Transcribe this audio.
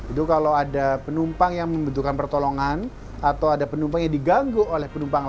itu kalau ada penumpang yang membutuhkan pertolongan atau ada penumpang yang diganggu oleh penumpang